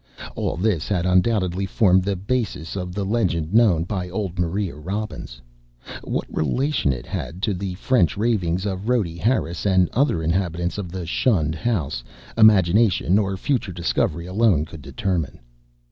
All this had undoubtedly formed the basis of the legend known by old Maria Robbins. What relation it had to the French ravings of Rhoby Harris and other inhabitants of the shunned house, imagination or future discovery alone could determine.